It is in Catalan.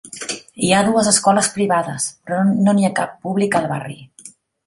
Hi ha dues escoles privades, però no n'hi ha cap pública al barri.